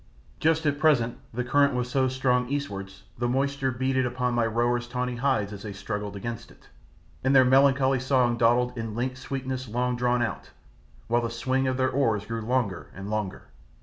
Just at present the current was so strong eastwards, the moisture beaded upon my rowers' tawny hides as they struggled against it, and their melancholy song dawdled in "linked sweetness long drawn out," while the swing of their oars grew longer and longer.